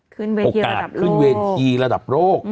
ขึ้นเวทีระดับโลก